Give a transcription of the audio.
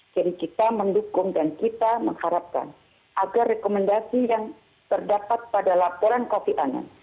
jadi kita mendukung dan kita mengharapkan agar rekomendasi yang terdapat pada laporan kopi anam